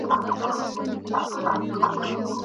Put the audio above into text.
سایبر امنیتي تخنکونه د شرکتونو خطر کموي.